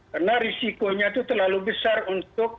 karena risikonya itu terlalu besar untuk